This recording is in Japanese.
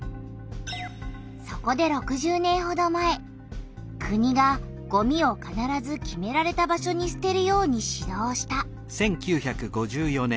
そこで６０年ほど前国がごみをかならず決められた場所にすてるように指導した。